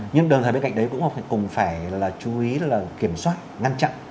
nhưng đồng thời bên cạnh đấy cũng phải chú ý kiểm soát ngăn chặn